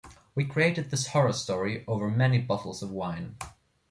We created this horror story over many bottles of wine.